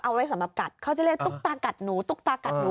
เอาไว้สำหรับกัดเขาจะเรียกตุ๊กตากัดหนูตุ๊กตากัดหนู